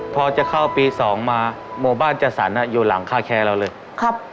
พอจะเข้าปีสองมาหมู่บ้านจัดสรรอยู่หลังคาแคร์เราเลยครับ